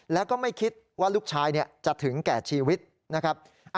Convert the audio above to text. แล้วก็ไม่คิดว่าลูกชายจะถึงแก่ชีวิตนะครับ